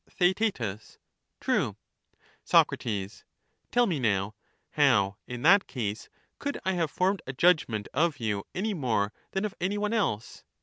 Theaet. True. Soc. Tell me, now — How in that case could I have formed a judgment of you any more than of any one else